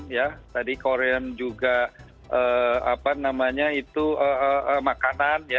ya tadi korean juga apa namanya itu makanan ya